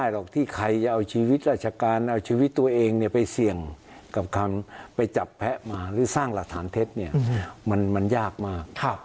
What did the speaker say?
หรอกที่ใครจะเอาชีวิตราชการเอาชีวิตตัวเองไปเสี่ยงกับการไปจับแพะมาหรือสร้างหลักฐานเท็จเนี่ยมันยากมาก